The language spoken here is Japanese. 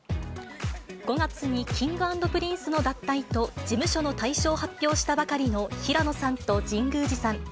５月にＫｉｎｇ＆Ｐｒｉｎｃｅの脱退と事務所の退所を発表したばかりの平野さんと神宮寺さん。